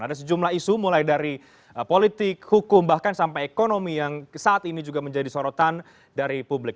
ada sejumlah isu mulai dari politik hukum bahkan sampai ekonomi yang saat ini juga menjadi sorotan dari publik